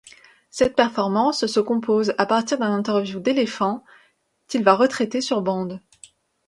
Cette performance se compose à partir d'un interview d'éléphant, qu'il va retraiter sur bande.